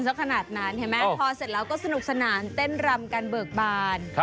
เห็นไหมพอเสร็จแล้วก็สนุกสนานเต้นรำกันเบิกบาน